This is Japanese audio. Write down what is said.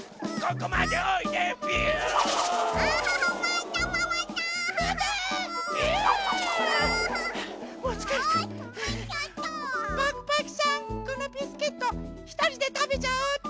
このビスケットひとりでたべちゃおうっと。